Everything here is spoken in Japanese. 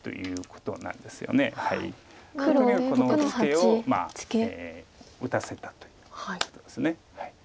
このツケを打たせたということです。